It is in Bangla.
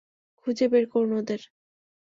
খুঁজে বের করুন ওদের!